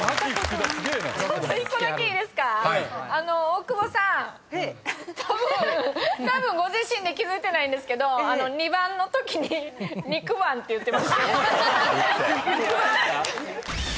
大久保さんたぶんご自身で気付いてないんですけど２番のときに「肉番」って言ってました。